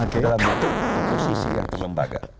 dalam waktu oposisi dan kelembaga